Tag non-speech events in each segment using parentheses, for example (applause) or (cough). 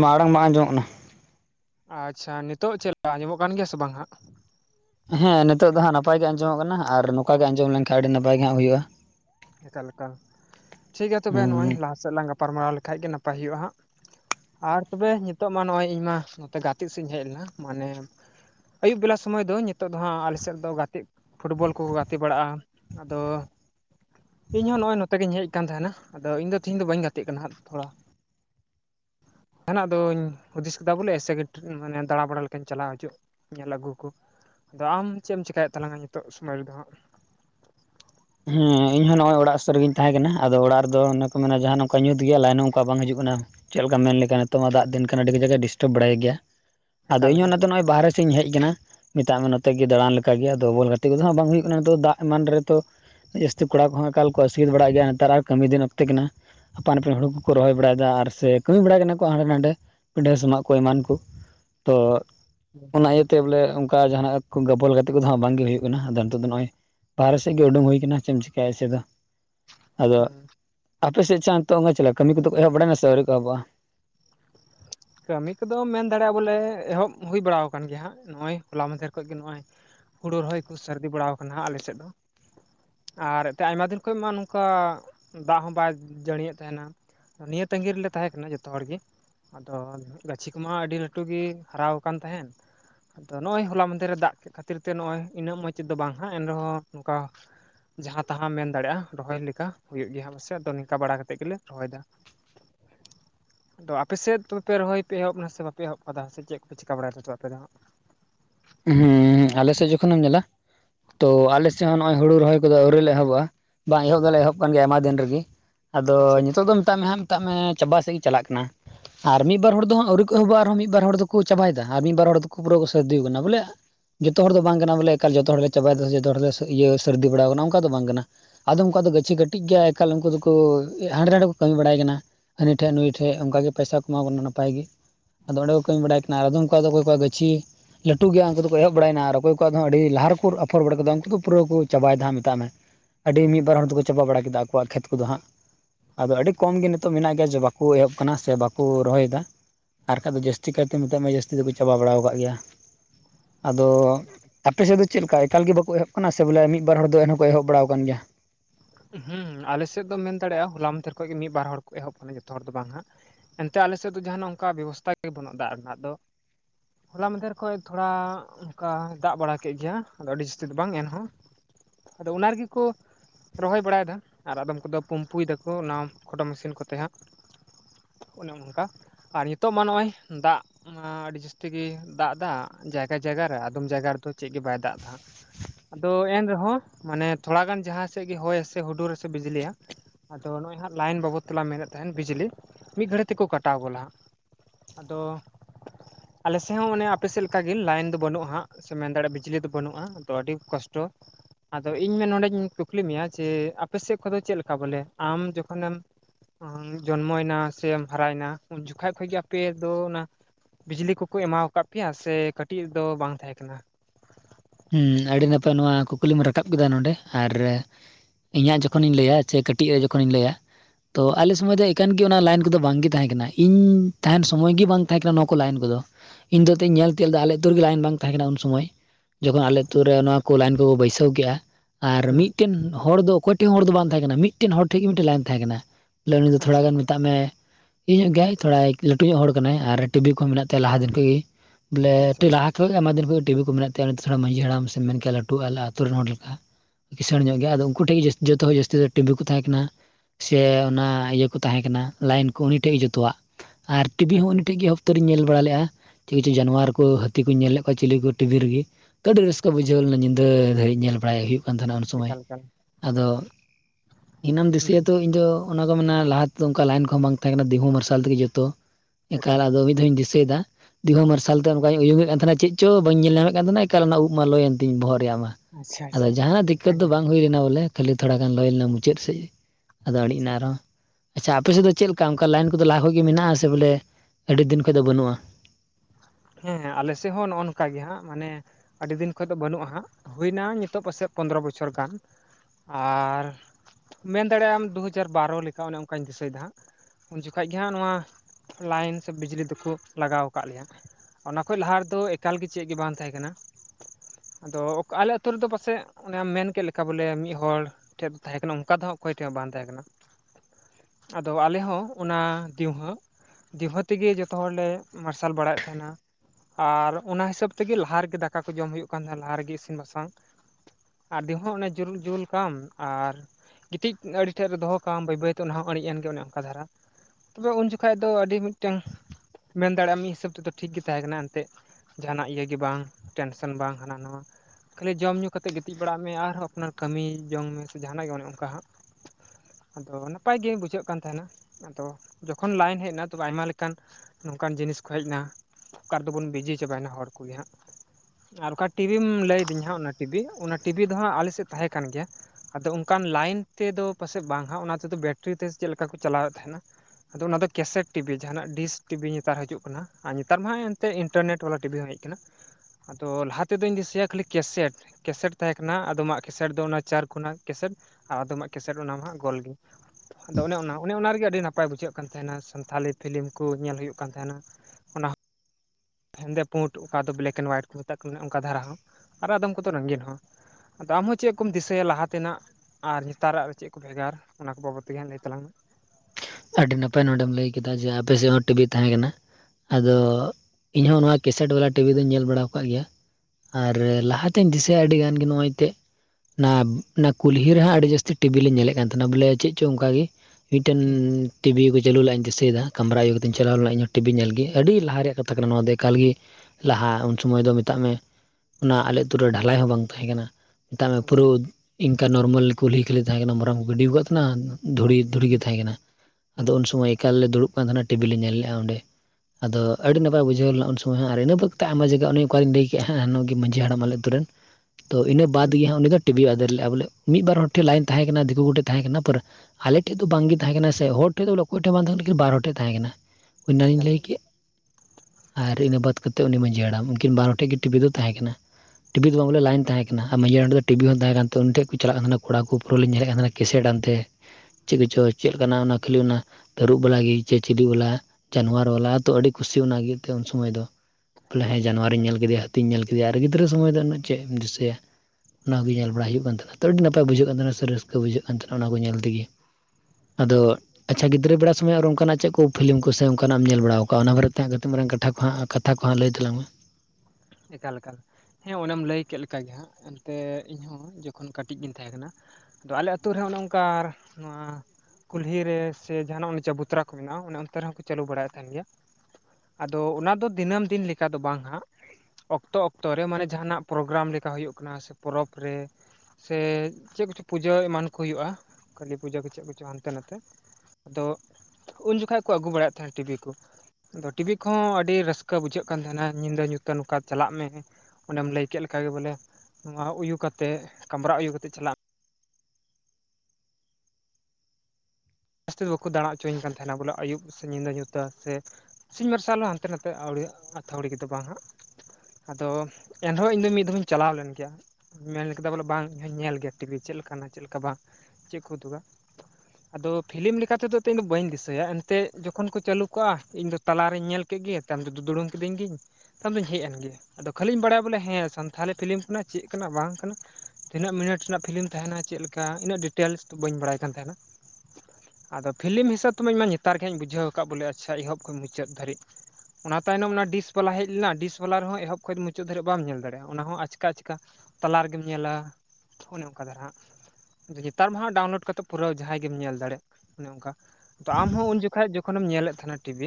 ᱢᱟᱜ ᱟᱲᱟᱝ ᱵᱟᱝ ᱟᱸᱡᱚᱢᱚᱜ ᱠᱟᱱᱟ᱾ ᱟᱪᱪᱷᱟ ᱱᱤᱛᱚᱜ ᱪᱮᱫ ᱞᱮᱠᱟ ᱟᱸᱡᱚᱢᱚᱜ ᱠᱟᱱ ᱜᱮᱭᱟ ᱥᱮ ᱵᱟᱝ ᱦᱟᱜ ᱦᱮᱸ ᱱᱤᱛᱚᱜ ᱫᱚ ᱦᱟᱸᱜ ᱱᱟᱯᱟᱭ ᱜᱮ ᱟᱸᱡᱚᱢᱚᱜ ᱠᱟᱱᱟ ᱟᱨ ᱱᱚᱝᱠᱟ ᱜᱮ ᱟᱸᱡᱚᱢ ᱞᱮᱱᱠᱷᱟᱱ ᱟᱹᱰᱤ ᱱᱟᱯᱟᱭ ᱜᱮ ᱦᱟᱜ ᱦᱩᱭᱩᱜᱼᱟ ᱮᱠᱟᱞ ᱮᱠᱟᱞ ᱴᱷᱤᱠ ᱜᱮᱭᱟ ᱛᱚᱵᱮ ᱱᱚᱜᱼᱚᱭ ᱦᱮᱸ ᱞᱟᱦᱟ ᱥᱮᱫ ᱞᱟᱝ ᱜᱟᱯᱟᱞᱢᱟᱨᱟᱣ ᱞᱮᱡ ᱜᱮ ᱱᱟᱯᱟᱭ ᱦᱩᱭᱩᱜᱼᱟ ᱦᱟᱸᱜ᱾ ᱟᱨ ᱛᱚᱵᱮ ᱱᱤᱛᱚᱜ ᱢᱟ ᱱᱚᱜᱼᱚᱭ ᱤᱧ ᱢᱟ ᱱᱚᱛᱮ ᱜᱟᱛᱮᱜ ᱥᱮᱫ ᱤᱧ ᱦᱮᱡ ᱞᱮᱱᱟ ᱢᱟᱱᱮ ᱟᱹᱭᱩᱵ ᱵᱮᱞᱟ ᱥᱚᱢᱚᱭ ᱫᱚ ᱱᱤᱛᱚᱜ ᱫᱚ ᱦᱟᱸᱜ ᱟᱞᱮ ᱥᱮᱫ ᱫᱚ ᱜᱟᱛᱮᱜ ᱯᱷᱩᱴᱵᱚᱞ ᱠᱚᱠᱚ ᱜᱟᱛᱮ ᱵᱟᱲᱟᱜᱼᱟ ᱟᱫᱚ ᱤᱧ ᱦᱚᱸ ᱱᱚᱜᱼᱚᱭ ᱱᱚᱛᱮᱜᱤᱧ ᱦᱮᱡ ᱠᱟᱱ ᱛᱟᱦᱮᱱᱟ ᱟᱫᱚ ᱤᱧ ᱫᱚ ᱛᱮᱦᱮᱧ ᱫᱚ ᱵᱟᱹᱧ ᱜᱟᱛᱮᱜ ᱠᱟᱱᱟ ᱦᱟᱸᱜ ᱛᱷᱚᱲᱟ ᱛᱟᱦᱮᱱ ᱟᱫᱚᱧ ᱦᱩᱫᱤᱥ ᱠᱮᱫᱟ ᱵᱚᱞᱮ ᱮᱥᱮ ᱜᱮ ᱢᱟᱱᱮ ᱫᱟᱬᱟ ᱵᱟᱲᱟ ᱞᱮ ᱞᱮᱠᱟᱧ ᱪᱟᱞᱟᱣ ᱦᱤᱡᱩᱜ ᱾ ᱧᱮᱞ ᱟᱹᱜᱩ ᱠᱩ, ᱟᱫᱚ ᱟᱢ ᱪᱮᱫ ᱮᱢ ᱪᱮᱠᱟᱭᱮᱫ ᱛᱟᱞᱟᱝᱟ ᱱᱤᱛᱚᱜ ᱥᱩᱢᱟᱹᱭ ᱨᱮᱫᱚ ᱦᱟᱸᱜ? ᱤᱧ ᱦᱚᱸ ᱱᱚᱜ-ᱚᱭ ᱚᱲᱟᱜ ᱥᱮᱫ ᱨᱮᱜᱮᱹᱧ ᱛᱟᱦᱮ ᱠᱟᱱᱟ ᱟᱫᱚ ᱚᱲᱟᱜ ᱨᱮᱫᱚ ᱚᱱᱟᱹ ᱠᱚ ᱢᱮᱱᱟ ᱡᱟᱦᱟ ᱱᱚᱠᱟ ᱧᱩᱛ ᱜᱮᱭᱟ ᱞᱟᱭᱤᱱ ᱦᱚᱸ ᱚᱱᱠᱟ ᱵᱟᱝ ᱦᱤᱡᱩᱜ ᱠᱟᱱᱟ ᱪᱮᱫ ᱞᱮᱠᱟ ᱢᱮᱱ ᱞᱮᱠᱟ ᱱᱤᱛᱚᱜ ᱢᱟ ᱫᱟᱜ ᱫᱤᱱ ᱠᱷᱟᱱ ᱟᱹᱰᱤ ᱠᱟᱡᱟᱠ ᱮ ᱰᱤᱥᱴᱟᱵᱽ ᱵᱟᱲᱟᱭ ᱜᱮᱭᱟ ᱟᱫᱚ ᱮᱠᱟᱞ ᱤᱧ ᱦᱚᱸ ᱮᱠᱟᱞ ᱚᱱᱟᱛᱮ ᱱᱚᱜ-ᱚᱭ ᱵᱟᱦᱨᱮ ᱥᱮᱫ ᱤᱧ ᱦᱮᱡ ᱢᱮᱛᱟᱜ ᱢᱮ ᱱᱚᱛᱮ ᱜᱮ ᱫᱟᱬᱟᱱ ᱞᱮᱠ ᱚᱱᱠᱟ ᱜᱮᱭᱟ ᱟᱫᱚ ᱵᱚᱞ ᱜᱟᱛᱮᱜ ᱠᱚᱫᱚ ᱦᱜ ᱵᱟᱝ ᱦᱩᱭᱩᱜ ᱠᱟᱱᱟ ᱱᱤᱛ ᱫᱟᱜ ᱮᱢᱟᱱ ᱨᱮᱛᱚ ᱾ ᱡᱟᱹᱥᱛᱤ ᱠᱚᱲᱟ ᱠᱚᱦᱚᱸ ᱮᱠᱟᱞ ᱠᱚ ᱟᱥᱠᱤᱛ ᱵᱟᱲᱟᱜ ᱜᱮᱭᱟ ᱱᱮᱛᱟᱨ ᱟᱨ ᱠᱟᱹᱢᱤ ᱫᱤᱱ ᱚᱠᱛᱚ ᱛᱮ ᱠᱟᱱᱟ ᱟᱯᱟᱱ ᱟᱹᱯᱤᱱ ᱦᱩᱸ ᱦᱩᱲᱩ ᱠᱚᱠᱚ ᱨᱚᱦᱚᱭ ᱵᱟᱲᱟᱭᱮᱫᱟ ᱟᱨ ᱥᱮ ᱠᱟᱹᱢᱤ ᱵᱟᱲᱟᱭ ᱠᱟᱱᱟ ᱠᱚ ᱦᱟᱸᱰᱮ ᱱᱟᱰᱮ ᱯᱤᱰᱷᱟᱹ ᱥᱚᱢᱟᱜ ᱠᱚ ᱮᱢᱟᱱ ᱠᱚ ᱛᱚ ᱚᱱᱟ ᱤᱭᱟᱹᱛᱮ ᱛᱮ ᱵᱚᱞᱮ ᱚᱱᱠᱟ ᱡᱟᱦᱱᱟᱜ ᱠᱚ ᱜᱟᱵᱚᱞ ᱜᱟᱛᱮ ᱠᱚᱫᱚᱜ ᱵᱟᱝ ᱜᱮ ᱦᱩᱭᱩᱜ ᱠᱟᱱᱟ ᱟᱫᱚ ᱱᱤᱛᱚᱜ ᱫᱚ ᱱᱚᱜ-ᱚᱭ ᱵᱟᱦᱨᱮ ᱥᱮᱫ ᱜᱮ ᱩᱰᱩᱝ ᱦᱩᱭ ᱪᱮᱫ ᱮᱢ ᱪᱤᱠᱟᱹᱭᱟ ᱪᱮᱫ ᱫᱚ ᱟᱫᱚ, ᱦᱩᱸ ᱟᱯᱮ ᱥᱮᱫ ᱪᱟ ᱱᱤᱛᱚ ᱚᱱᱠᱟ ᱪᱟᱞᱟ ᱠᱟᱹᱢᱤ ᱠᱚᱫᱚ ᱮᱦᱚᱵ ᱵᱟᱲᱟᱭ ᱱᱟ ᱥᱮ ᱟᱹᱣᱨᱤ ᱠᱚ ᱮᱦᱚᱵ-ᱟ? ᱠᱟᱹᱢᱤ ᱠᱚᱫᱚ ᱢᱮᱱ ᱫᱟᱲᱮᱭᱟᱜᱼᱟ ᱵᱚᱞᱮ ᱮᱦᱚᱵ ᱦᱩᱭ ᱵᱟᱲᱟ ᱟᱠᱟᱱ ᱜᱮᱭᱟ ᱦᱟᱸᱜ ᱱᱚᱜᱼᱚᱭ ᱦᱚᱞᱟ ᱢᱟᱦᱫᱷᱮᱨ ᱠᱷᱚᱱ ᱜᱮ ᱱᱚᱜᱼᱚᱭ ᱦᱩᱲᱩ ᱨᱚᱦᱚᱭ ᱠᱚ ᱥᱟᱹᱨᱫᱤ ᱵᱟᱲᱟᱣ ᱟᱠᱟᱱᱟ ᱟᱞᱮᱥᱮᱫ ᱫᱚ᱾ ᱟᱨ ᱮᱴᱟᱜ ᱟᱭᱢᱟ ᱫᱤᱱ ᱠᱷᱚᱱ ᱢᱟ ᱱᱚᱝᱠᱟ ᱫᱟᱜ ᱦᱚᱸ ᱵᱟᱭ ᱡᱟᱹᱲᱤᱭᱮᱫ ᱛᱟᱦᱮᱱᱟ᱾ ᱱᱤᱭᱟᱹ ᱛᱟᱺᱜᱤ ᱨᱮᱞᱮ ᱛᱟᱦᱮᱸ ᱠᱟᱱᱟ ᱡᱚᱛᱚ ᱦᱚᱲ ᱜᱮ᱾ ᱛᱚ ᱜᱟᱹᱪᱷᱤ ᱠᱚᱢᱟ ᱟᱹᱰᱤ ᱞᱟᱹᱴᱩ ᱜᱮ ᱦᱟᱨᱟ ᱟᱠᱟᱱ ᱛᱟᱦᱮᱱ ᱾ ᱟᱫᱚ ᱱᱚᱜ-ᱚᱭ ᱦᱚᱞᱟ ᱢᱟᱫᱷᱮᱨᱮ ᱫᱟᱜ ᱠᱮᱫ ᱠᱷᱟᱹᱛᱤᱨ ᱛᱮ ᱱᱚᱜ-ᱚᱭ ᱤᱱᱟᱹᱜ ᱢᱚᱡᱽ ᱛᱮᱫᱚ ᱵᱟᱝ ᱦᱟᱸᱜ ᱮᱱ ᱨᱮᱦᱚᱸ ᱱᱚᱝᱠᱟ ᱾ ᱡᱟᱦᱟᱸ ᱛᱟᱦᱟᱢ ᱢᱮᱱ ᱫᱟᱲᱮᱭᱟᱜ-ᱟ ᱨᱚᱦᱚᱭ ᱞᱮᱠᱟ ᱦᱳᱭᱳᱜ ᱜᱮᱭᱟ ᱯᱟᱥᱮ ᱟᱫᱚ ᱱᱤᱝᱠᱟ ᱵᱟᱲᱟ ᱠᱟᱛᱮᱜ ᱜᱮᱞᱮ ᱨᱚᱦᱚᱭ ᱫᱟ ᱾ ᱟᱫᱚ ᱟᱯᱮ ᱥᱮᱫ ᱟᱯᱮ ᱨᱚᱦᱚᱭ ᱯᱮ ᱮᱦᱚᱵ ᱱᱟᱥᱮ ᱵᱟᱯᱮ ᱮᱦᱚᱵ ᱠᱟᱫᱟ? ᱥᱮ ᱪᱮᱫ ᱠᱚ ᱯᱮ ᱪᱤᱠᱟᱹ ᱵᱟᱲᱟ ᱮᱫᱟ ᱛᱚ ᱟᱯᱮ ᱫᱚ ᱦᱟᱸᱜ? ᱦᱩᱸᱻ ᱟᱞᱮ ᱥᱮᱫ ᱡᱚᱠᱷᱚᱱᱮᱢ ᱧᱮᱞᱟ ᱛᱚ ᱟᱞᱮ ᱥᱮᱫ ᱦᱚᱸ ᱾ ᱱᱚᱜᱚᱭ ᱦᱩᱲᱩ ᱨᱚᱦᱚᱭ ᱠᱚᱫᱚ ᱟᱹᱣᱨᱤ ᱞᱮ ᱮᱦᱚᱵᱚᱜ-ᱟ ᱵᱟᱝ ᱮᱦᱚᱵ ᱫᱚᱞᱮ ᱮᱦᱚᱵ ᱟᱠᱟᱱ ᱜᱮᱭᱟ ᱟᱭᱢᱟ ᱫᱤᱱ ᱨᱮᱜᱮ ᱟᱫᱚ ᱟᱪᱪᱷᱟ ᱱᱤᱛᱚᱜ ᱫᱚ ᱢᱮᱛᱟᱜ ᱢᱮ ᱦᱟᱸᱜ ᱢᱮᱛᱟᱜ ᱢᱮ ᱪᱟᱵᱟ ᱥᱮᱫ ᱜᱮ ᱪᱟᱞᱟᱜ ᱠᱟᱱᱟ ᱾ ᱟᱨ ᱢᱤᱫ ᱵᱟᱨ ᱦᱚᱲ ᱫᱚ ᱟᱹᱣᱨᱤ ᱠᱚ ᱮᱦᱚᱵᱟ ᱟᱨᱦᱚᱸ ᱢᱤᱫ ᱵᱟᱨ ᱦᱚᱲ ᱫᱚᱠᱚ ᱪᱟᱵᱟᱭᱮᱫᱟ ᱟᱨ ᱢᱤᱫ ᱵᱟᱨ ᱦᱚᱲ ᱫᱚᱠᱚ ᱯᱩᱨᱟᱹ ᱠᱚ ᱥᱟᱹᱨᱫᱤ ᱟᱠᱟᱱᱟ ᱵᱚᱞᱮ ᱡᱚᱛᱚ ᱦᱚᱲ ᱫᱚ ᱵᱟᱝ ᱠᱟᱱᱟ ᱵᱚᱞᱮ ᱮᱠᱟᱞ ᱡᱚᱛᱚ ᱦᱚᱲᱮ ᱪᱟᱵᱟᱭᱮᱫ ᱥᱮ ᱡᱚᱛᱚ ᱦᱚᱲ ᱤᱭᱟᱹ ᱥᱟᱹᱨᱫᱤ ᱵᱟᱲᱟᱟᱣ ᱟᱠᱟᱱᱟ ᱚᱱᱠᱟ ᱫᱚ ᱵᱟᱝ ᱠᱟᱱᱟ ᱾ ᱟᱫᱚ ᱩᱱᱠᱩ ᱟᱜ ᱜᱟᱹᱪᱷᱤ ᱠᱟᱹᱴᱤᱡ ᱜᱮᱭᱟ ᱮᱠᱟᱞ ᱩᱱᱠᱩ ᱫᱚᱠᱚ ᱦᱟᱸᱰᱮ ᱱᱟᱰᱮ ᱠᱚ ᱠᱟᱹᱢᱤ ᱵᱟᱲᱟᱭ ᱠᱟᱱᱟ ᱦᱟᱹᱱᱤ ᱴᱷᱮᱡ ᱱᱩᱭ ᱴᱷᱮᱡ ᱚᱱᱠᱟᱜᱮ ᱯᱚᱭᱥᱟ ᱠᱚ ᱮᱢᱟ ᱠᱚ ᱠᱟᱱᱟ ᱱᱟᱯᱟᱭ ᱜᱮ ᱾ ᱟᱫᱚ ᱚᱸᱰᱮ ᱠᱟᱹᱢᱤ ᱵᱟᱲᱟᱭ ᱠᱟᱱᱟ ᱟᱨ ᱟᱫᱚᱢ ᱠᱚᱣᱟᱜ ᱫᱚ ᱚᱠᱚᱭ ᱠᱚᱣᱟᱜ ᱜᱟᱹᱪᱷᱤ ᱞᱟᱹᱴᱩ ᱜᱮᱭᱟ ᱩᱱᱠᱩ ᱫᱚᱠᱚ ᱮᱦᱚᱵ ᱵᱟᱲᱟᱭᱱᱟ ᱟᱨ ᱚᱠᱚᱭ ᱠᱚᱣᱟᱜ ᱫᱚ ᱟᱹᱰᱤ ᱞᱟᱦᱟ ᱨᱮᱠᱚ ᱟᱯᱷᱚᱨ ᱵᱟᱲᱟ ᱠᱟᱫᱟ ᱩᱱᱠᱩ ᱫᱚ ᱯᱩᱨᱟᱹ ᱠᱚ ᱪᱟᱵᱟᱭᱮᱫ ᱢᱮᱛᱟᱜ ᱢᱮ ᱟᱹᱰᱤ ᱢᱤᱫ ᱵᱟᱨ ᱦᱚᱲ ᱫᱚᱠᱚ ᱪᱟᱵᱟ ᱵᱟᱲᱟ ᱠᱮᱫᱟ ᱟᱠᱚᱣᱟᱜ ᱠᱷᱮᱛ ᱠᱚᱫᱚ ᱦᱟᱸᱜ ᱾ ᱟᱫᱚ ᱟᱹᱰᱤ ᱠᱚᱢ ᱜᱮ ᱱᱤᱛᱚᱜ ᱢᱮᱱᱟᱜ ᱜᱮᱭᱟ ᱡᱮ ᱵᱟᱠᱚ ᱮᱦᱚᱵ ᱠᱟᱱᱟ ᱥᱮ ᱵᱟᱠᱚ ᱨᱚᱦᱚᱭᱮᱫᱟ ᱾ ᱟᱨ ᱠᱷᱟᱡ ᱫᱚ ᱡᱟᱹᱥᱛᱤ ᱠᱟᱭᱛᱮ ᱢᱮᱛᱟᱜ ᱢᱮ ᱡᱟᱹᱥᱛᱤ ᱫᱚᱠᱚ ᱪᱟᱵᱟ ᱵᱟᱲᱟᱣᱟᱠᱟᱫ ᱜᱮᱭᱟ ᱾ ᱟᱫᱚ ᱟᱯᱮ ᱥᱮᱫ ᱫᱚ ᱪᱮᱫ ᱞᱮᱠᱟ ᱮᱠᱟᱞ ᱜᱮ ᱵᱟᱠᱚ ᱮᱦᱚᱵ ᱟᱠᱟᱱᱟ ᱥᱮ ᱵᱚᱞᱮ ᱢᱤᱫ ᱵᱟᱨ ᱦᱚᱲ ᱫᱚ ᱮᱱᱦᱚᱸ ᱮᱦᱚᱵ ᱵᱟᱲᱟ ᱟᱠᱟᱱ ᱜᱮᱭᱟ? ᱦᱮᱸ ᱟᱞᱮᱥᱮᱫ ᱫᱚᱢ ᱢᱮᱱ ᱫᱟᱲᱮᱭᱟᱜ-ᱟ ᱦᱚᱞᱟ ᱢᱟᱫᱷᱮᱨ ᱠᱷᱚᱱ ᱜᱮ ᱢᱤᱫ ᱵᱟᱨ ᱦᱚᱲ ᱠᱚ ᱮᱦᱚᱵ ᱟᱠᱟᱱᱟ ᱡᱚᱛᱚ ᱦᱚᱲ ᱫᱚ ᱵᱟᱝ ᱦᱟᱸᱜ ᱮᱱᱛᱮ ᱟᱞᱮ ᱥᱮᱫ ᱫᱚ ᱡᱟᱦᱟᱱᱟᱜ ᱚᱱᱠᱟ ᱵᱮᱵᱚᱥᱛᱷᱟ ᱜᱮ ᱵᱟᱹᱱᱩᱜ ᱫᱟᱜ ᱨᱮᱱᱟᱜ ᱫᱚ ᱾ ᱦᱚᱞᱟ ᱢᱟᱫᱷᱮᱨ ᱠᱷᱚᱡ ᱛᱷᱚᱲᱟ ᱚᱱᱠᱟ ᱫᱟᱜ ᱵᱟᱲᱟ ᱠᱮᱫ ᱜᱮᱭᱟ ᱟᱫᱚ ᱟᱹᱰᱤ ᱡᱟᱹᱥᱛᱤ ᱫᱚ ᱵᱟᱝ ᱮᱱᱦᱚᱸ ᱾ ᱟᱫᱚ ᱚᱱᱟ ᱨᱮᱜᱮ ᱠᱚ ᱨᱚᱦᱚᱭ ᱵᱟᱲᱟᱭᱮᱫᱟ ᱟᱨ ᱟᱫᱚᱢ ᱠᱚᱫᱚ ᱯᱩᱢᱯᱩᱭ ᱮᱫᱟᱠᱚ ᱚᱱᱟ ᱠᱷᱴᱳ ᱢᱮᱥᱤᱱ ᱠᱚᱛᱮ ᱦᱟᱸᱜ ᱚᱱᱮ ᱚᱱᱠᱟ ᱟᱨ ᱱᱤᱛᱳᱜ ᱢᱟ ᱱᱚᱜ-ᱚᱭ ᱫᱟᱜ ᱟᱹᱰᱤ ᱡᱟᱹᱥᱛᱤ ᱜᱮ ᱫᱟᱜ ᱮᱫᱟ ᱡᱟᱭᱜᱟ ᱡᱟᱭᱟᱨ ᱨᱮ ᱟᱫᱚᱢ ᱡᱟᱭᱜᱟ ᱨᱮᱫᱚ ᱪᱮᱫ ᱜᱮ ᱵᱟᱭ ᱫᱟᱜ ᱮᱫᱟ ᱟᱫᱚ ᱮᱱᱨᱮᱦᱚᱸ ᱢᱟᱱᱮ ᱛᱷᱚᱲᱟ ᱜᱟᱱ ᱡᱟᱦᱟᱸ ᱥᱮᱫ ᱜᱮ ᱦᱚᱭ ᱟᱥᱮ ᱦᱩᱰᱩᱨ ᱥᱮ ᱵᱤᱡᱽᱞᱤᱭᱟ ᱟᱫᱚ ᱱᱚᱜ-ᱚᱭ ᱦᱟᱸᱜ ᱞᱟᱭᱤᱱ ᱵᱟᱵᱚᱫ ᱛᱮᱞᱟᱝ ᱢᱮᱱᱮᱫ ᱛᱟᱦᱮᱸᱫ ᱵᱤᱡᱽᱞᱤ ᱢᱤᱫ ᱜᱷᱟᱹᱲᱤᱡ ᱛᱮᱠᱚ ᱠᱟᱴᱟᱣ ᱜᱚᱞᱟ ᱦᱟᱸᱜ ᱾ ᱟᱫᱚ ᱟᱞᱮ ᱥᱮᱫ ᱦᱚᱸ ᱚᱱᱮ ᱟᱯᱮ ᱥᱮᱫ ᱞᱮᱠᱟ ᱜᱮ ᱞᱟᱭᱤᱱ ᱫᱚ ᱵᱟᱹᱱᱩᱜᱟ ᱦᱟᱸᱜ ᱥᱮᱢ ᱢᱮᱱ ᱫᱟᱲᱮᱭᱟᱜ-ᱟ ᱵᱤᱡᱞᱤ ᱫᱚ ᱵᱟᱹᱱᱩᱜ-ᱟ ᱟᱫᱚ ᱟᱹᱰᱤ ᱠᱚᱥᱴᱚ ᱟᱫᱚ ᱤᱧ ᱢᱮ ᱱᱚᱰᱮᱧ ᱠᱩᱠᱞᱤ ᱢᱮᱭᱟ ᱡᱮ ᱟᱯᱮ ᱥᱮᱫ ᱠᱷᱚᱱ ᱫᱚ ᱪᱮᱫ ᱞᱮᱠᱟ ᱵᱚᱞᱮ ᱟᱢ ᱡᱚᱠᱷᱚᱱᱮᱢ ᱡᱚᱱᱢᱚᱭ ᱮᱱᱟ ᱥᱮᱢ ᱦᱟᱨᱟᱭ ᱮᱱᱟ ᱩᱱ ᱡᱚᱠᱷᱟᱡ ᱠᱷᱚᱱ ᱜᱮ ᱟᱯᱮ ᱫᱚ ᱚᱱᱟ ᱾ ᱵᱤᱡᱽᱞᱤ ᱠᱚᱠᱚ ᱮᱢᱟᱣ ᱟᱠᱟᱫ ᱯᱮᱭᱟ ᱥᱮ ᱠᱟᱹᱴᱤᱡ ᱫᱚ ᱵᱟᱝ ᱛᱟᱦᱮᱸ ᱠᱟᱱᱟ ᱦᱮᱸ ᱟᱹᱰᱤ ᱱᱟᱯᱟᱭ ᱱᱚᱣᱟ ᱠᱩᱠᱞᱤᱢ ᱨᱟᱠᱟᱵ ᱠᱮᱫᱟ ᱱᱚᱰᱮ ᱟᱨ ᱾ ᱤᱧᱟᱹᱜ ᱡᱚᱠᱷᱚᱱᱤᱧ ᱞᱟᱹᱭᱟ ᱥᱮ ᱠᱟᱹᱴᱤᱡ ᱨᱮ ᱡᱚᱠᱷᱚᱱᱤᱧ ᱞᱟᱹᱭᱟ ᱛᱚ ᱟᱞᱮ ᱥᱚᱢᱚᱭ ᱫᱚ ᱮᱠᱟᱱᱜ ᱜᱮ ᱚᱱᱟ ᱞᱟᱭᱤᱱ ᱠᱚᱫᱚ ᱵᱟᱝᱜᱮ ᱛᱟᱦᱮᱸ ᱠᱟᱱᱟ ᱤᱧ ᱛᱟᱦᱮᱱ ᱥᱚᱢᱚᱭ ᱜᱮ ᱵᱟᱝ ᱛᱟᱦᱮᱸ ᱠᱟᱱᱟ ᱱᱚᱣᱟ ᱠᱚ ᱞᱟᱭᱤᱱ ᱠᱚᱫᱚ ᱾ ᱤᱧ ᱫᱚᱧ ᱧᱮᱞ ᱛᱤᱭᱳᱜ ᱞᱮᱫᱟ ᱟᱞᱮ ᱟᱛᱩ ᱨᱮᱜᱮ ᱞᱟᱭᱤᱱ ᱵᱟᱝ ᱛᱟᱦᱮᱸ ᱠᱟᱱᱟ ᱩᱱ ᱥᱚᱢᱚᱭ ᱡᱚᱠᱷᱚᱱ ᱟᱞᱮ ᱟᱛᱩ ᱨᱮ ᱱᱚᱣᱟ ᱠᱚ ᱞᱟᱭᱤᱱ ᱠᱚᱠᱚ ᱵᱟᱹᱭᱥᱟᱹᱣ ᱠᱮᱫ-ᱟ ᱟᱨ ᱦᱩᱸ ᱢᱤᱫᱴᱮᱱ ᱦᱚᱲ ᱫᱚ ᱚᱠᱚᱭ ᱢᱤᱫᱴᱮᱱ ᱦᱚᱸ ᱦᱚᱲ ᱫᱚ ᱵᱟᱝ ᱛᱟᱦᱮᱸ ᱠᱟᱱᱟ ᱢᱤᱫᱴᱮᱱ ᱦᱚᱲ ᱴᱷᱮᱱ ᱜᱮ ᱢᱤᱫᱮᱱ ᱞᱟᱭᱤᱱ ᱛᱟᱦᱮᱸ ᱠᱟᱱᱟ ᱞᱟᱹᱲ ᱫᱚ ᱛᱷᱚᱲᱟ ᱟᱪᱪᱷᱟ ᱜᱟᱱ ᱢᱮᱛᱟᱜ ᱢᱮ ᱤᱧᱚᱜ ᱜᱮᱭᱟᱭ ᱛᱷᱚᱲᱟᱭ ᱞᱟᱹᱴᱩ ᱧᱚᱜ ᱦᱚᱲ ᱠᱟᱱᱟᱭ ᱟᱨ ᱴᱤᱵᱤ ᱠᱚᱦᱚᱸ ᱢᱮᱱᱟᱜ ᱛᱟᱭᱟ ᱞᱟᱦᱟ ᱫᱤᱱ ᱠᱷᱚᱡ ᱜᱤ ᱟᱪᱪᱷᱟ ᱵᱚᱞᱮ ᱟᱪᱪᱷᱟ ᱞᱟᱦᱟ ᱠᱷ ᱟᱭᱢᱟ ᱫᱤᱱ ᱠᱷᱚᱡ ᱴᱤᱵᱷᱤ ᱠᱚ ᱢᱮᱱᱟᱜ ᱛᱟᱭᱟ ᱩᱱᱤᱫᱚ ᱛᱷᱚᱲᱟ ᱢᱟᱺᱡᱷᱤ ᱦᱟᱲᱟᱢ ᱥᱮᱢ ᱢᱮᱱ ᱠᱮᱭᱟ ᱞᱟᱹᱴᱩ ᱟᱞᱮ ᱟᱛᱩ ᱨᱮᱱ ᱦᱚᱲ ᱞᱮᱠᱟ ᱠᱤᱸᱥᱟᱹᱬ ᱧᱚᱜ ᱜᱮᱭᱟ ᱟᱫᱚ ᱩᱱᱠᱩ ᱴᱷᱮᱱ ᱜᱮ ᱡᱚᱛᱚ ᱠᱷᱚᱡ ᱡᱟᱹᱥᱛᱤ ᱫᱚ ᱴᱤᱵᱷᱤ ᱠᱚ ᱛᱟᱦᱮᱸ ᱠᱟᱱᱟ ᱥᱮ ᱚᱱᱟ ᱤᱭᱟᱹ ᱠᱚ ᱛᱟᱦᱮᱸ ᱠᱟᱱᱟ ᱞᱟᱭᱤᱱ ᱠᱚ ᱩᱱᱤ ᱴᱷᱮᱡ ᱡᱚᱛᱚᱣᱟᱜ ᱟᱨ ᱴᱤᱵᱷᱤ ᱦᱚᱸ ᱟᱪᱪᱷᱟ ᱩᱱᱤ ᱴᱷᱮᱱ ᱜᱮ ᱮᱦᱚᱯᱛᱚᱨᱤᱧ ᱧᱮᱞ ᱵᱟᱲᱟ ᱞᱮᱫᱻᱟ ᱠᱤᱪᱷᱩ ᱡᱟᱱᱣᱟᱨ ᱠᱚ ᱦᱟᱹ ᱛᱤ ᱠᱩᱧ ᱧᱮᱞ ᱞᱮᱫ ᱠᱚᱣᱟ ᱪᱤᱞᱤ ᱠᱩ ᱴᱤᱵᱤ ᱨᱮᱜᱤ ᱛᱚ ᱟᱹᱰᱤ ᱨᱟᱹᱥᱠᱟᱹ ᱵᱩᱡᱷᱟᱹᱣ ᱞᱮᱱᱟ ᱧᱤᱫᱟᱹ ᱫᱷᱟᱹᱨᱤᱡ ᱧᱮᱞᱵᱟᱲᱟᱭ ᱦᱩᱭᱩᱜ ᱠᱟᱱᱛᱟᱦᱮᱱᱟ ᱩᱱ ᱥᱚᱢᱚᱹᱭ ᱮᱠᱟᱞ ᱮᱠᱟᱞ ᱟᱫᱚ ᱮᱱᱟᱹᱢ ᱦᱩᱸ ᱫᱤᱥᱟᱹᱛᱚ ᱤᱧ ᱫᱚ ᱚᱱᱟ ᱠᱚ ᱢᱮᱱᱟ ᱞᱟᱦᱟ ᱛᱮᱫᱚ ᱚᱱᱠᱟ ᱞᱟᱭᱤᱱ ᱠᱚᱦᱚᱸ ᱵᱟᱝ ᱛᱟᱦᱮᱸ ᱠᱟᱱᱟ ᱫᱤᱦᱳ ᱢᱟᱨᱥᱟᱞ ᱛᱮᱜᱮ ᱡᱚᱛᱚ ᱮᱠᱟᱞ ᱟᱫᱚ ᱢᱤᱫ ᱫᱷᱟᱣᱤᱧ ᱫᱤᱥᱟᱹᱭᱫᱟ ᱫᱤᱦᱩ ᱢᱟᱨᱥᱟᱞ ᱛᱮ ᱚᱱᱠᱟᱧ ᱩᱭᱩᱝᱮᱸᱜ ᱠᱟᱱ ᱛᱟᱦᱮᱸᱱᱟ ᱪᱮᱫ ᱪᱚ ᱵᱟᱹᱧ ᱧᱮᱞ ᱧᱟᱢᱮᱫ ᱠᱟᱱ ᱛᱟᱦᱮᱱᱟ ᱮᱠᱮᱞ ᱢᱟ ᱩᱵ ᱢᱟ ᱞᱚᱭᱮᱱ ᱛᱤᱧ ᱵᱚᱦᱚᱜ ᱨᱮᱭᱟᱜ ᱢᱟ ᱟᱪᱪᱷᱟ ᱟᱫᱚ ᱟᱪᱪᱷᱟ ᱡᱟᱦᱟᱱᱟᱜ ᱫᱤᱠᱠᱚᱛ ᱦᱮᱸ ᱫᱚ ᱦᱮᱸ ᱵᱟᱝ ᱦᱩᱭ ᱞᱮᱱᱟ ᱵᱚᱞᱮ ᱠᱷᱟᱹᱞᱤ ᱛᱷᱚᱲᱟ ᱜᱟᱱ ᱞᱟ. ᱭ ᱞᱮᱢ ᱢᱩᱪᱟᱹᱫ ᱥᱮᱫ ᱟᱫᱚ ᱟᱹᱲᱤᱡ ᱟᱪᱪᱷᱟ ᱱᱟ ᱟᱨᱦᱚᱸ ᱟᱪᱪᱷᱟ ᱟᱯᱮᱥᱮᱫ ᱫᱚ ᱪᱮᱫ ᱞᱮᱠᱟ ᱚᱱᱠᱟ ᱞᱟᱭᱤᱱ ᱠᱚᱫᱚ ᱞᱟᱦᱟ ᱠᱷᱚᱡ ᱜᱮ ᱢᱮᱱᱟᱜᱼᱟ ᱥᱮ ᱵᱚᱞᱮ ᱟᱹᱰᱤ ᱫᱤᱱ ᱠᱷᱚᱱ ᱫᱚ ᱵᱟᱹᱱᱩᱜᱼᱟ ᱦᱮᱸ ᱦᱮ ᱟᱞᱮ ᱥᱮᱫ ᱦᱚᱸ ᱱᱚᱜᱼᱚ ᱱᱚᱝᱠᱟ ᱜᱮ ᱦᱟᱸᱜ ᱢᱟᱱᱮ ᱟᱹᱰᱤ ᱫᱤᱱ ᱠᱷᱚᱡ ᱫᱚ ᱵᱟᱹᱱᱩᱜᱼᱟ ᱦᱟᱸᱜ ᱦᱩᱭᱱᱟ ᱱᱤᱛᱚᱜ ᱯᱟᱥᱮᱡ ᱯᱚᱸᱫᱨᱚ ᱵᱚᱪᱷᱚᱨ ᱜᱟᱱ ᱟᱨ ᱢᱮᱱ ᱫᱟᱲᱮᱜ ᱟᱢ ᱫᱩ ᱦᱟᱡᱟᱨ ᱵᱟᱨᱚ ᱞᱮᱠᱟ ᱚᱱᱮ ᱚᱝᱠᱟᱧ ᱫᱤᱥᱟᱹᱭᱫᱟ ᱦᱟᱸᱜ ᱩᱱ ᱡᱚᱠᱷᱟᱡ ᱜᱮ ᱦᱟᱸᱜ ᱱᱚᱣᱟ ᱞᱟᱭᱤᱱ ᱥᱮ ᱵᱤᱡᱽᱞᱤ ᱫᱩᱠᱩ ᱞᱟᱜᱟᱣ ᱠᱟᱫ ᱞᱮᱭᱟ ᱚᱱᱟ ᱠᱷᱚᱱᱚᱡ ᱞᱟᱦᱟ ᱨᱮᱫᱚ ᱮᱠᱟᱞ ᱜᱤ ᱪᱮᱫ ᱜᱤ ᱵᱟᱝ ᱛᱟᱦᱮᱸ ᱠᱟᱱᱟ ᱟᱫᱚ ᱟᱞᱮ ᱟᱹᱛᱩ ᱨᱮᱫᱚ ᱯᱟᱥᱮᱜ ᱚᱱᱮᱢ ᱢᱮᱱ ᱠᱮᱫ ᱞᱮᱠᱟ ᱵᱚᱞᱮ ᱢᱤᱫ ᱦᱚᱲ ᱴᱷᱮᱜ ᱫᱚ ᱛᱟᱦᱮᱸ ᱠᱟᱱᱟ ᱚᱱᱠᱟ ᱫᱚ ᱦᱟᱸᱜ ᱚᱠᱚᱭ ᱴᱷᱮᱜ ᱵᱟᱝ ᱛᱟᱦᱮᱸ ᱠᱟᱱᱟ᱾ ᱟᱫᱚ ᱟᱞᱮ ᱦᱚᱸ ᱚᱱᱟ ᱫᱤᱣᱦᱟᱹ ᱫᱤᱣᱦᱟᱹ ᱛᱮᱜᱮ ᱡᱚᱛᱚ ᱦᱚᱲᱞᱮ ᱢᱟᱨᱥᱟᱞ ᱵᱟᱲᱟᱭᱮᱫ ᱛᱟᱦᱮᱱᱟ ᱟᱨ ᱚᱱᱟ ᱦᱤᱥᱟᱹᱵᱽ ᱛᱮᱜᱮ ᱞᱟᱦᱟ ᱨᱮᱜᱮ ᱫᱟᱠᱟ ᱠᱚ ᱡᱚᱢ ᱦᱩᱭᱩᱜ ᱠᱟᱱ ᱛᱟᱦᱮᱱ ᱞᱟᱦᱟ ᱨᱮᱜᱮ ᱤᱥᱤᱱ ᱵᱟᱥᱟᱝ ᱟᱨ ᱫᱤᱦᱟᱸ ᱚᱱᱮ ᱡᱩᱞ ᱡᱩᱞ ᱠᱟᱢ ᱟᱨ ᱜᱤᱛᱤᱡ ᱟᱹᱰᱤ ᱴᱷᱮᱡ ᱨᱮ ᱫᱚᱦᱚ ᱠᱟᱜ ᱟᱢ ᱵᱟᱹᱭ ᱵᱟᱹᱭᱛᱮ ᱚᱱᱟ ᱦᱚᱸ ᱟᱹᱲᱤᱡ ᱮᱱ ᱜᱮ ᱚᱱᱮ ᱚᱱᱠᱟ ᱫᱷᱟᱨᱟ ᱛᱚᱵᱮ ᱩᱱ ᱡᱚᱠᱷᱟᱡ ᱫᱚ ᱟᱹᱰᱤ ᱢᱤᱫᱴᱮᱱ ᱢᱮᱱ ᱫᱟᱲᱮ ᱟᱢ ᱢᱤᱫ ᱦᱤᱥᱟᱹᱵ ᱛᱮᱫᱚ ᱴᱷᱤᱠ ᱜᱤ ᱛᱟᱦᱮᱸ ᱠᱟᱱᱟ ᱮᱱᱛᱮᱜ ᱡᱟᱦᱟᱱᱟᱜ ᱤᱭᱟᱹ ᱜᱮ ᱵᱟᱝ ᱴᱮᱱᱥᱮᱱ ᱵᱟᱝ ᱦᱟᱱᱟ ᱱᱚᱣᱟ ᱠᱷᱟᱹᱞᱤ ᱡᱚᱢᱼᱧᱩ ᱠᱟᱛᱮᱫ ᱜᱤᱛᱤᱡ ᱵᱟᱲᱟᱜ ᱢᱮ ᱟᱨᱦᱚᱸ ᱟᱯᱱᱟᱨ ᱠᱟᱹᱢᱤ ᱡᱚᱝ ᱢᱮ ᱥᱮ ᱡᱟᱦᱟᱱᱟᱜ ᱜᱮ ᱚᱱᱮ ᱚᱱᱠᱟ ᱦᱟᱸᱜ ᱟᱫᱚ ᱱᱟᱯᱟᱭ ᱜᱮ ᱵᱩᱡᱷᱟᱹᱜ ᱠᱟᱱ ᱛᱟᱦᱮᱱᱟ ᱟᱫᱚ ᱡᱚᱠᱷᱚᱱ ᱞᱟᱭᱤᱱ ᱦᱮᱡ ᱱᱟ ᱛᱚ ᱟᱭᱢᱟ ᱞᱮᱠᱟᱱ ᱱᱚᱝᱠᱟᱱ ᱡᱤᱱᱤᱥ ᱠᱚ ᱦᱮᱡ ᱮᱱᱟ ᱚᱠᱟᱨᱮ ᱫᱚᱵᱚᱱ ᱵᱤᱡᱤ ᱪᱟᱵᱟᱭᱮᱱᱟ ᱦᱚᱲ ᱠᱚᱜᱮ ᱦᱟᱸᱜ ᱟᱨ ᱚᱠᱟ ᱴᱤᱵᱷᱤᱢ ᱞᱟᱹᱭ ᱟᱹᱫᱤᱧ ᱦᱟᱸᱜ ᱚᱱᱟ ᱴᱤᱵᱷᱤ ᱚᱱᱟ ᱴᱤᱵᱷᱤ ᱫᱚ ᱦᱟᱸᱜ ᱟᱞᱮᱥᱮᱫ ᱛᱟᱦᱮᱸ ᱠᱟᱱ ᱜᱮᱭᱟ ᱟᱫᱚ ᱚᱱᱠᱟᱱ ᱞᱟᱭᱤᱱ ᱛᱮᱫᱚ ᱯᱟᱥᱮᱡ ᱵᱟᱝ ᱦᱟᱸᱜ ᱚᱱᱟ ᱛᱮᱫᱚ ᱵᱮᱴᱨᱤ ᱛᱮ ᱥᱮ ᱪᱮᱫ ᱞᱮᱠᱟ ᱠᱚ ᱪᱟᱞᱟᱣᱮᱫ ᱛᱟᱦᱮᱱᱟ ᱟᱫᱚ ᱚᱱᱟ ᱫᱚ ᱠᱮᱥᱮᱴ ᱴᱤᱵᱷᱤ ᱡᱟᱦᱟᱱᱟᱜ ᱰᱤᱥ ᱴᱤᱵᱷᱤ ᱱᱮᱛᱟᱨ ᱦᱤᱡᱩᱜ ᱠᱟᱱᱟ ᱟᱨ ᱱᱮᱛᱟᱨ ᱢᱟ ᱦᱟᱸᱜ ᱮᱱᱛᱮᱜ ᱤᱱᱴᱟᱨᱱᱮᱴ ᱵᱟᱞᱟ ᱴᱤᱵᱷᱤ ᱦᱚᱸ ᱦᱮᱡ ᱟᱠᱟᱱᱟ ᱟᱫᱚ ᱞᱟᱦᱟ ᱛᱮᱫᱚᱧ ᱫᱤᱥᱟᱹᱭᱟ ᱠᱷᱟᱹᱞᱤ ᱠᱮᱥᱮᱴ ᱠᱮᱥᱮᱴ ᱛᱟᱦᱮᱸ ᱠᱟᱱᱟ ᱟᱫᱚᱢᱟᱜ ᱠᱮᱥᱮᱴ ᱫᱚ ᱚᱱᱟ ᱪᱟᱨ ᱠᱚᱱᱟ ᱠᱮᱥᱮᱴ ᱟᱫᱚ ᱢᱟᱜ ᱠᱮᱥᱮᱴ ᱚᱱᱟ ᱢᱟ ᱦᱟᱸᱜ ᱜᱚᱞ ᱜᱮ ᱟᱫᱚ ᱚᱱᱮ ᱚᱱᱟ ᱚᱱᱮ ᱚᱱᱟ ᱨᱮᱜᱮ ᱟᱹᱰᱤ ᱱᱟᱯᱟᱭ ᱵᱩᱡᱷᱟᱹᱜ ᱠᱟᱱ ᱛᱟᱦᱮᱱᱟ ᱥᱟᱱᱛᱷᱟᱞᱤ ᱯᱷᱤᱞᱤᱢ ᱠᱚ ᱧᱮᱞ ᱦᱩᱭᱩᱜ ᱠᱟᱱ ᱛᱟᱦᱮᱱᱟ᱾ ᱚᱱᱟ ᱦᱮᱸᱫᱮ ᱯᱩᱸᱰ ᱚᱠᱟ ᱫᱚ ᱵᱞᱮᱠ ᱮᱱᱰ ᱣᱟᱭᱤᱴ ᱠᱚ ᱚᱱᱠᱟ ᱫᱷᱟᱨᱟ ᱦᱚᱸ ᱟᱨ ᱟᱫᱚᱢ ᱠᱚᱫᱚ ᱨᱚᱝᱜᱤᱱ ᱦᱚᱸ ᱟᱫᱚ ᱟᱢᱦᱚᱸ ᱪᱮᱫ ᱠᱚᱢ ᱫᱤᱥᱟᱹᱭᱟ ᱞᱟᱦᱟ ᱛᱮᱱᱟᱜ ᱟᱨ ᱱᱮᱛᱟᱨᱟᱜ ᱪᱮᱫ ᱠᱚ ᱵᱷᱮᱜᱟᱨ ᱚᱱᱟ ᱠᱚ ᱵᱟᱵᱚᱛ ᱛᱮᱜᱮ ᱦᱟᱸᱜ ᱞᱟᱹᱭ ᱛᱟᱞᱟᱝ ᱢᱮ ᱟᱹᱰᱤ ᱱᱟᱯᱟᱭ ᱱᱚᱰᱮᱢ ᱞᱟᱹᱭ ᱠᱮᱫᱟ ᱡᱮ ᱟᱯᱮ ᱥᱮᱫ ᱦᱚᱸ ᱴᱤᱵᱷᱤ ᱛᱟᱦᱮᱸ ᱠᱟᱱᱟ ᱟᱫᱚ ᱤᱧ ᱦᱚᱸ ᱱᱚᱣᱟ ᱠᱮᱥᱮᱴ ᱵᱟᱞᱟ ᱴᱤᱵᱷᱤ ᱫᱚᱧ ᱧᱮᱞ ᱵᱟᱲᱟᱣ ᱟᱠᱟᱫ ᱜᱮᱭᱟ᱾ ᱟᱨ ᱞᱟᱦᱟᱛᱤᱧ ᱫᱤᱥᱟᱹᱭᱟ ᱟᱹᱰᱤ ᱜᱟᱱ ᱜᱮ ᱱᱚ ᱚᱭ ᱛᱮᱜ ᱚᱱᱟ ᱚᱱᱟ ᱠᱩᱞᱦᱤ ᱨᱮᱦᱟᱸᱜ ᱟᱹᱰᱤ ᱡᱟᱹᱥᱛᱤ ᱴᱤᱵᱤᱞᱮ ᱧᱮᱞᱮᱫ ᱠᱟᱱ ᱛᱟᱦᱮᱱᱟ ᱵᱚᱞᱮ ᱪᱮᱫ ᱪᱚ ᱚᱱᱠᱟ ᱜᱮ ᱢᱤᱫᱴᱮᱱ ᱢᱮ ᱦᱩᱸ ᱴᱤᱵᱷᱤ ᱦᱚ ᱠᱚ ᱪᱟᱹᱞᱩ ᱞᱮᱫᱼᱟ ᱤᱧ ᱫᱤᱥᱟᱹᱭ ᱫᱟ ᱠᱟᱢᱨᱟ ᱟ. ᱜᱩ ᱠᱟᱛᱮᱧ ᱪᱟᱞᱟᱣ ᱞᱮᱱᱟ ᱤᱧ ᱦᱚᱸ ᱴᱤᱵᱷᱤ ᱧᱮᱞ ᱜᱮ ᱟᱹᱰᱤ ᱞᱟᱦᱟ ᱨᱮᱭᱟᱜ ᱠᱟᱛᱷᱟ ᱠᱟᱱᱟ ᱱᱚᱣᱟ ᱫᱚ ᱮᱠᱟᱞ ᱜᱤ ᱞᱟᱦᱟ ᱩᱱ ᱥᱚᱢᱚᱭ ᱫᱚ ᱢᱮᱛᱟᱜ ᱢᱮ ᱚᱱᱟ ᱟᱞᱮ ᱟᱛᱩ ᱨᱮ ᱰᱷᱟᱞᱟᱭ ᱦᱚᱸ ᱵᱟᱝ ᱛᱟᱦᱮᱸ ᱠᱟᱱᱟ᱾ ᱢᱮᱛᱟᱜ ᱢᱮ ᱟᱪᱪᱷᱟ ᱯᱩᱨᱟᱹ ᱤᱱᱠᱟ ᱱᱚᱨᱢᱟᱞ ᱠᱩᱞᱦᱤ ᱠᱷᱟᱹᱞᱤ ᱛᱟᱦᱮᱸ ᱠᱟᱱᱟ᱾ ᱢᱩᱨᱟᱢ ᱠᱚ ᱜᱤᱰᱤᱠᱟᱜ ᱛᱟᱦᱮᱸᱱᱟ ᱫᱷᱩᱲᱤ ᱫᱷᱩᱲᱤ ᱜᱮ ᱦᱩᱸ ᱛᱟᱦᱮᱸ ᱠᱟᱱᱟ ᱟᱫᱚ ᱦᱩᱸ ᱩᱱ ᱥᱚᱢᱚᱭ ᱮᱠᱟᱞ ᱞᱮ ᱫᱩᱲᱩᱵ ᱠᱟᱱ ᱛᱟᱦᱮᱸᱱᱟ ᱾ ᱴᱤᱵᱤ ᱞᱮ ᱧᱮᱞ ᱞᱮᱜ-ᱟ ᱚᱸᱰᱮ ᱟᱫᱚ ᱟᱹᱰᱤ ᱱᱟᱯᱟᱭ ᱵᱩᱡᱷᱟᱹᱣ ᱞᱮᱱᱟ ᱩᱱ ᱥᱚᱢᱚᱭ ᱦᱚᱸ ᱟᱨ ᱤᱱᱟᱹ ᱯᱚᱨ ᱠᱚᱛᱮ ᱟᱭᱢᱟ ᱡᱟᱭᱜᱟ ᱩᱱᱤ ᱚᱠᱟᱨᱮᱧ ᱞᱟᱹᱭ ᱠᱮᱜ ᱟ ᱢᱟᱹᱡᱷᱤ ᱦᱟᱲᱟᱢ ᱟᱞᱮ ᱫᱚ ᱛᱩᱨᱮᱱ ᱛᱚ ᱤᱱᱟᱹ ᱵᱟᱫᱽ ᱦᱩᱸ ᱜᱮ ᱦᱟᱸᱜ ᱩᱱᱤ ᱫᱚ ᱴᱤᱵᱤ ᱟᱫᱮᱨ ᱞᱮ ᱟᱜᱩ ᱞᱮᱜ ᱢᱤᱜ ᱵᱟᱨ ᱦᱚᱲ ᱴᱷᱮᱜ ᱞᱟᱭᱤᱱ ᱛᱟᱦᱮᱸ ᱠᱟᱱᱟ, ᱫᱤᱠᱩ ᱠᱚᱴᱷᱮ ᱛᱟᱦᱮᱸ ᱠᱟᱱᱟ ᱟᱛᱳ ᱨᱮ᱾ ᱟᱞᱮ ᱴᱷᱮᱡ ᱫᱚ ᱵᱟᱝ ᱜᱮ ᱛᱟᱦᱮᱸ ᱠᱟᱱᱟ ᱥᱮ, ᱦᱚᱲ ᱴᱮᱡ ᱫᱚ ᱵᱚᱞᱮ ᱚᱠᱚᱭ ᱴᱷᱮᱡ ᱵᱟᱝ ᱛᱟᱦᱮᱸ ᱠᱟᱱᱟ, ᱞᱮᱠᱤᱱ ᱵᱟᱨ ᱦᱚᱲ ᱴᱷᱮᱡ ᱛᱟᱦᱮᱸ ᱠᱟᱱᱟ ᱮᱠᱟᱞ ᱚᱱᱟᱧᱞᱟᱹᱭ ᱠᱮᱜ᱾ ᱟᱨ ᱤᱱᱟᱹ ᱵᱟᱫ ᱠᱟᱛᱮᱜ ᱩᱱᱤ ᱢᱟᱹᱡᱷᱤ ᱦᱟᱲᱟᱢ ᱩᱱᱠᱤᱱ ᱵᱟᱨ ᱦᱚᱲ ᱴᱷᱮᱡ ᱜᱮ ᱴᱤᱵᱷᱤ ᱫᱚ ᱛᱟᱦᱮᱸ ᱠᱟᱱᱟ ᱾ ᱴᱤᱵᱷᱤ ᱫᱚ ᱵᱟᱝ ᱵᱚᱞᱮ ᱞᱟᱭᱤᱱ ᱛᱟᱦᱮᱸ ᱠᱟᱱᱟ ᱟᱨ ᱢᱟᱹᱡᱷᱤ ᱦᱟᱲᱟᱢ ᱴᱷᱮᱱ ᱫᱚ ᱴᱤᱵᱷᱤ ᱦᱚᱸ ᱛᱟᱦᱮᱸ ᱠᱟᱱ ᱛᱮ ᱩᱱ ᱴᱷᱮᱱ ᱠᱚ ᱪᱟᱞᱟᱜ ᱠᱟᱱ ᱛᱟᱦᱮᱸᱱᱟ ᱠᱚᱲᱟ ᱠᱩ ᱯᱩᱨᱟᱹ ᱞᱮ ᱧᱮᱞᱮᱜ ᱠᱟᱱ ᱛᱟᱦᱮᱸᱱᱟ ᱾ ᱠᱮᱥᱮᱴ ᱟᱱᱛᱮ ᱪᱮᱜ ᱠᱚᱪᱚ ᱪᱮᱜ ᱞᱮᱠᱟᱱᱟᱜ? ᱚᱱᱟ ᱠᱷᱟᱹᱞᱤ ᱚᱱᱟ ᱛᱟᱹᱨᱩᱵ ᱵᱟᱞᱟᱜᱮ ᱪᱮ ᱪᱤᱞᱤ ᱵᱟᱞᱟ? ᱡᱟᱱᱣᱟᱨ ᱵᱟᱞᱟ ᱛᱚ ᱟᱹᱰᱤ ᱠᱩᱥᱤ ᱚᱱᱟ ᱜᱮ ᱛᱚ ᱩᱱ ᱥᱩᱚᱢᱚᱭ ᱫᱚ ᱵᱚᱞᱮ ᱮᱠᱟᱞ ᱦᱮᱸ ᱮᱠᱟᱞ ᱡᱟᱱᱣᱟᱨᱤᱧ ᱧᱮᱞ ᱠᱮᱫᱮᱭᱟ ᱛᱤᱧ ᱧᱮᱞ ᱠᱮᱫᱮᱭᱟ ᱟᱨ ᱜᱤᱫᱽᱨᱟᱹ ᱥᱚᱢᱚᱭ ᱫᱚ ᱩᱱᱟᱹᱜ ᱪᱮᱫ ᱮᱢ ᱫᱤᱥᱟᱹᱭᱟ ᱚᱱᱟ ᱜᱮ ᱧᱮᱞ ᱵᱟᱲᱟ ᱦᱩᱭᱩᱜ ᱠᱟᱱ ᱛᱟᱦᱮᱸᱱᱟ᱾ ᱛᱚ ᱟᱹᱰᱤ ᱱᱟᱯᱟᱭ ᱵᱩᱡᱷᱟᱹᱜ ᱠᱟᱱ ᱛᱟᱦᱮᱸᱱᱟ ᱥᱮ ᱨᱟᱹᱥᱠᱟᱹ ᱵᱩᱡᱷᱟᱹᱜ ᱠᱟᱱ ᱛᱟᱦᱮᱸᱱᱟ ᱚᱱᱟ ᱠᱚ ᱧᱮᱞ ᱛᱮᱜᱤ᱾ ᱟᱫᱚ ᱟᱪᱪᱷᱟ ᱜᱤᱫᱽᱨᱟᱹ ᱵᱮᱲᱟ ᱥᱚᱢᱚᱭ ᱟᱨ ᱚᱱᱠᱟᱱᱟᱜ ᱪᱮᱜ ᱠᱚ ᱯᱷᱤᱞᱢ ᱠᱚ ᱥᱮ ᱚᱱᱠᱟᱱᱟᱜ ᱮᱢ ᱧᱮᱞ ᱵᱟᱲᱟᱣ ᱠᱟᱜ ᱟ? ᱚᱱᱟ ᱵᱟᱨᱮᱛᱮ ᱠᱟᱹᱴᱤᱡ ᱢᱟᱨᱟᱝ ᱠᱟᱛᱷᱟ ᱠᱚ ᱦᱟᱸᱜ ᱠᱟᱛᱷᱟ ᱠᱚᱦᱚᱸ ᱞᱟᱹᱭ ᱛᱟᱞᱟᱝ ᱢᱮ, ᱮᱠᱟᱞ ᱮᱠᱟᱞ ᱦᱮᱸ ᱚᱱᱮᱢ ᱞᱟᱹᱭ ᱠᱮᱜ ᱞᱮᱠᱟ ᱡᱟᱦᱟᱸ ᱮᱱᱛᱮ ᱤᱧᱦᱚᱸ ᱡᱚᱠᱷᱚᱱ ᱠᱟᱹᱴᱤᱡ ᱜᱤᱧ ᱛᱟᱦᱮᱸ ᱠᱟᱱᱟ᱾ ᱫᱚ ᱟᱞᱮ ᱟᱹᱛᱩ ᱨᱮ ᱚᱱᱮ ᱚᱱᱠᱟᱨ ᱱᱚᱣᱟ ᱠᱩᱞᱦᱤ ᱨᱮ ᱥᱮ ᱡᱟᱦᱚᱱᱟᱜ ᱚᱱᱮ ᱪᱟᱵᱩᱛᱨᱟ ᱠᱚ ᱢᱮᱱᱟᱜ-ᱟ, ᱚᱱᱮ ᱚᱱᱛᱮ ᱨᱮᱦᱚᱸ ᱠᱚ ᱪᱟᱹᱞᱩ ᱵᱟᱲᱟᱭᱮᱫ ᱛᱟᱦᱮᱱ ᱜᱮᱭᱟ ᱾ ᱟᱫᱚ ᱚᱱᱟ ᱫᱚ ᱫᱤᱱᱟᱹᱢ ᱫᱤᱱ ᱞᱮᱠᱟ ᱫᱚ ᱵᱟᱝ ᱦᱟᱸᱜ᱾ ᱚᱠᱛᱚ ᱚᱠᱛᱚ ᱨᱮ ᱢᱟᱱᱮ ᱡᱟᱦᱟᱸᱱᱟᱜ ᱯᱨᱳᱜᱨᱟᱢ ᱞᱮᱠᱟ ᱦᱩᱭᱩᱜ ᱠᱟᱱᱟ ᱥᱮ ᱯᱚᱨᱚᱵ ᱨᱮ᱾ ᱥᱮ ᱪᱮᱜ ᱠᱚᱪᱩ ᱯᱩᱡᱟᱹ ᱮᱢᱟᱱ ᱠᱚ ᱦᱩᱭᱩᱜ ᱟ? ᱠᱟᱹᱞᱤ ᱯᱩᱡᱟᱹ ᱠᱚ ᱪᱮᱜ ᱠᱚᱪᱚ ᱦᱟᱱᱛᱮ ᱱᱟᱛᱮ ᱟᱫᱚ ᱩᱱ ᱡᱚᱠᱷᱟᱜ ᱠᱚ ᱟᱹᱜᱩ ᱵᱟᱲᱟᱭᱮᱜ ᱛᱟᱦᱮᱸ ᱴᱤᱵᱷᱤ ᱠᱚ᱾ ᱟᱫᱚ ᱴᱤᱵᱷᱤ ᱠᱚᱦᱚᱸ ᱟᱹᱰᱤ ᱨᱟᱹᱥᱠᱟᱹ ᱵᱩᱡᱷᱟᱹᱜ ᱠᱟᱱ ᱛᱟᱦᱮᱸᱱᱟ ᱧᱤᱫᱟᱹ ᱧᱩᱛᱟᱹᱱ ᱱᱚᱝᱠᱟ ᱪᱟᱞᱟᱜ ᱢᱮ ᱚᱱᱮᱢ ᱞᱟᱹᱭ ᱠᱮᱜ ᱞᱮᱠᱟ ᱜᱮ ᱵᱚᱞᱮ, ᱱᱚᱣᱟ ᱩᱭᱩ ᱠᱟᱛᱮ ᱠᱟᱢᱨᱟ ᱩᱭᱩ ᱠᱟᱛᱮ ᱪᱟᱞᱟᱜ ᱢᱮ᱾ ᱡᱟᱹᱥᱛᱤ ᱫᱚ ᱵᱟᱠᱚ ᱫᱟᱬᱟ ᱦᱚᱪᱚᱧ ᱠᱟᱱ ᱛᱟᱦᱮᱱᱟ ᱵᱚᱞᱮ ᱟᱹᱭᱩᱵ ᱥᱮ, ᱧᱤᱫᱟᱹ ᱧᱩᱛᱟᱹᱛ ᱥᱮ ᱾ ᱥᱤᱧ ᱢᱟᱨᱥᱟᱞ ᱦᱚᱸ ᱦᱟᱱᱛᱮ ᱱᱟᱛᱮ ᱟᱹᱣᱲᱤ ᱟᱜ ᱟᱹᱛᱷᱟᱹᱣᱲᱤ ᱠᱚᱫᱚ ᱵᱟᱝ ᱦᱟᱸᱜ᱾ ᱟᱫᱚ ᱮᱱᱦᱚᱸ ᱤᱧ ᱫᱚ ᱢᱤᱫ ᱫᱚᱢ ᱢᱤᱧ ᱪᱟᱞᱟᱣ ᱞᱮᱱ ᱜᱮᱭᱟ᱾ ᱢᱮᱱ ᱠᱮᱫᱟ ᱵᱚᱞᱮ ᱵᱟᱝ ᱤᱧ ᱦᱚᱸᱧ ᱧᱮᱞ ᱜᱮᱭᱟ ᱴᱤᱵᱷᱤ ᱪᱮᱜ ᱞᱮᱠᱟᱱᱟ ᱪᱮᱜ ᱞᱮᱠᱟ ᱵᱟᱝ ᱪᱮᱫ ᱠᱚ ᱩᱫᱩᱜᱟ ᱾ ᱟᱫᱚ ᱯᱷᱤᱞᱤᱢ ᱞᱮᱠᱟ ᱛᱮᱫᱚ ᱛᱮ ᱤᱧ ᱫᱚ ᱵᱟᱹᱧ ᱫᱤᱥᱟᱹᱭᱟ, ᱮᱱᱛᱮᱜ ᱡᱚᱠᱷᱚᱱ ᱠᱚ ᱪᱟᱹᱞᱩ ᱠᱟᱜ-ᱟ ᱤᱧ ᱫᱚ ᱛᱟᱞᱟᱨᱮᱧ ᱧᱮᱞ ᱠᱮᱜ ᱜᱮ, ᱛᱟᱭᱚᱢ ᱛᱮ ᱫᱩᱫᱩᱲᱩᱢ ᱠᱤᱫᱤᱧ ᱜᱤᱧ ᱛᱟᱭᱚᱢ ᱫᱚᱧ ᱦᱮᱡ ᱮᱱ ᱜᱮ᱾ ᱟᱫᱚ ᱠᱷᱟᱹᱞᱤᱧ ᱵᱟᱲᱟᱭᱟ ᱵᱚᱞᱮ ᱦᱮᱸ ᱥᱟᱱᱛᱷᱟᱞᱤ ᱯᱷᱤᱞᱤᱢ ᱠᱟᱱᱟ, ᱪᱮᱜ ᱠᱟᱱᱟ, ᱵᱟᱝ ᱠᱟᱱᱟ ᱾ ᱛᱤᱱᱟᱹᱜ ᱢᱤᱱᱤᱴ ᱨᱮᱱᱟᱜ ᱯᱷᱤᱞᱤᱢ ᱛᱟᱦᱮᱸᱱᱟ ᱪᱮᱜ ᱞᱮᱠᱟ, ᱤᱱᱟᱹᱜ ᱰᱤᱴᱮᱞᱥ ᱫᱚ ᱵᱟᱹᱧ ᱵᱟᱲᱟᱭ ᱠᱟᱱ ᱛᱟᱦᱮᱸᱱᱟ? ᱟᱫᱚ ᱯᱷᱤᱞᱤᱢ ᱦᱤᱥᱟᱹᱵ ᱛᱮᱢᱟᱹᱧ ᱤᱧ ᱢᱟ ᱱᱮᱛᱟᱨ ᱜᱮ ᱤᱧ ᱵᱩᱡᱷᱟᱹᱣ ᱠᱟᱜ ᱵᱚᱞᱮ ᱟᱪᱪᱷᱟ ᱮᱦᱚᱵ ᱠᱷᱚᱱ ᱢᱩᱪᱟᱹᱜ ᱫᱷᱟᱹᱨᱤᱡ᱾ ᱚᱱᱟ ᱛᱟᱭᱱᱚᱢ ᱚᱱᱟ ᱰᱤᱥ ᱵᱟᱞᱟ ᱦᱮᱡ ᱞᱮᱱᱟ ᱰᱤᱥ ᱵᱟᱞᱟ ᱨᱮᱦᱚᱸ ᱮᱦᱚᱵ ᱠᱷᱚᱡ ᱢᱩᱪᱟᱹᱫ ᱫᱷᱟᱹᱨᱤᱡ ᱵᱟᱢ ᱧᱮᱞ ᱫᱟᱲᱮᱭᱟᱜ-ᱟ, ᱚᱱᱟ ᱦᱚᱸ ᱟᱪᱠᱟ ᱟᱪᱠᱟ ᱾ ᱛᱟᱞᱟ ᱨᱮᱜᱮᱢ ᱧᱮᱞᱟ ᱚᱱᱮ ᱚᱱᱠᱟ ᱜᱮ ᱦᱟᱸᱜ᱾ ᱱᱮᱛᱟᱨ ᱢᱟ ᱦᱟᱸᱜ ᱰᱟᱭᱩᱱᱞᱳᱰ ᱠᱟᱛᱮᱜ ᱯᱩᱨᱟᱹ ᱡᱟᱦᱟᱸᱭ ᱜᱮᱢ ᱧᱮᱞ ᱫᱟᱲᱮᱭᱟᱜ, ᱚᱱᱮ ᱚᱱᱠᱟ᱾ ᱛᱚ ᱟᱢᱦᱚᱸ ᱩᱱ ᱡᱚᱠᱷᱟᱡ ᱡᱚᱠᱷᱚᱱᱮᱢ ᱧᱮᱞᱮᱜ ᱛᱟᱦᱮᱸᱱᱟ ᱴᱤᱵᱷᱤ